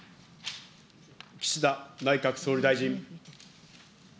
岸田内閣総理大臣。